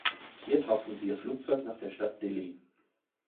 Hier tauften sie ihr Flugzeug nach der Stadt „Dilly“.